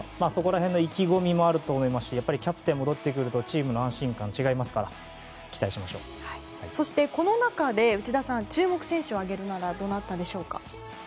そこら辺の意気込みもあると思いますしやっぱりキャプテン戻ってくるとチームの安心感違いますからそしてこの中で内田さん、注目選手を挙げるならどなたでしょうか？